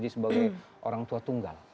sebagai orang tua tunggal